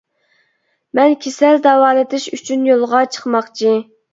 مەن كېسەل داۋالىتىش ئۈچۈن يولغا چىقماقچى.